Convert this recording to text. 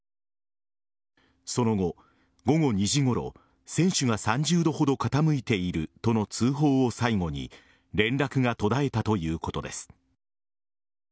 その後、午後２時ごろ船首が３０度ほど傾いているとの通報を最後に連絡が途絶えたということです。